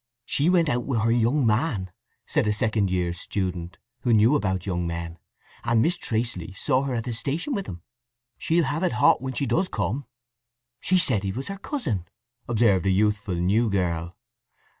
"She went out with her young man," said a second year's student, who knew about young men. "And Miss Traceley saw her at the station with him. She'll have it hot when she does come." "She said he was her cousin," observed a youthful new girl.